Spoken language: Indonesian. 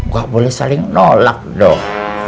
gak boleh saling nolak dok